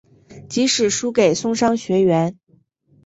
即使输给松商学园。